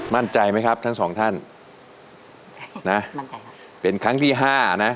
มั่นใจไหมครับทั้งสองท่านนะมั่นใจค่ะเป็นครั้งที่ห้านะ